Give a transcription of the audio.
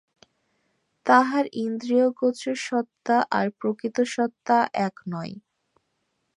তাহার ইন্দ্রিয়গোচর সত্তা আর প্রকৃত সত্তা এক নয়।